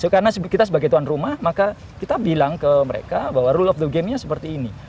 karena kita sebagai tuan rumah maka kita bilang ke mereka bahwa rule of the game nya seperti ini